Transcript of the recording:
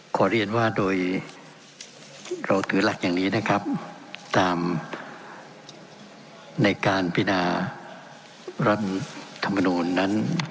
ขอเรียนว่าโดยเราถือหลักอย่างนี้นะครับตามในการพินารัฐธรรมนูลนั้น